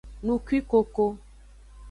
Nukwikoko.